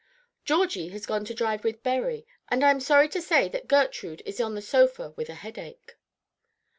"Georgie has gone to drive with Berry, and I am sorry to say that Gertrude is on the sofa with a headache."